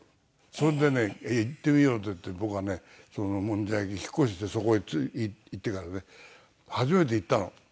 それでね行ってみようっていって僕はねそのもんじゃ焼き引っ越してそこへ行ってからね初めて行ったの。